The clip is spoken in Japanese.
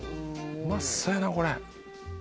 うまそうやなこれ。